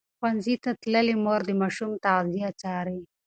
ښوونځې تللې مور د ماشوم تغذیه څاري.